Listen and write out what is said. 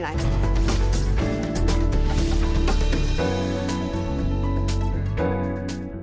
nah ini menarik ya